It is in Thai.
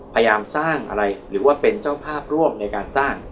พยายามสร้างอะไรหรือว่าเป็นเจ้าภาพร่วมในการสร้าง